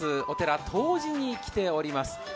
お寺東寺に来ております。